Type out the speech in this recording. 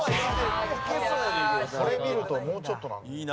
塙：これ見るともうちょっとなんだよな。